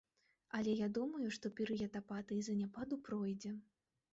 Але я думаю, што перыяд апатыі і заняпаду пройдзе.